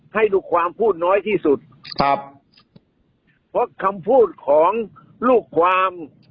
ให้ลูกความพูดน้อยที่สุดครับเพราะคำพูดของลูกความ